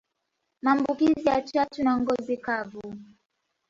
Maambukizi ya chachu na ngozi kavu